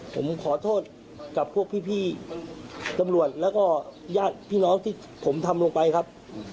ผมขอโทษกับพวกพี่ตำรวจแล้วก็ญาติพี่น้องที่ผมทำลงไปครับ